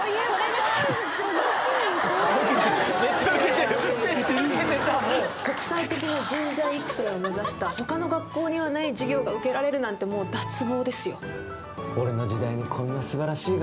しかもしかも国際的な人材育成を目指した他の学校にはない授業が受けられるなんてそしたらさあ